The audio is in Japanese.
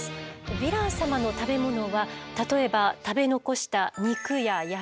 ヴィラン様の食べ物は例えば食べ残した肉や野菜。